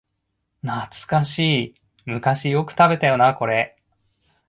懐かしい、昔よく食べたよなこれ